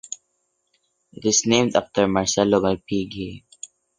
It is named after Marcello Malpighi.